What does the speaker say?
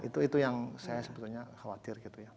itu itu yang saya sebetulnya khawatir gitu ya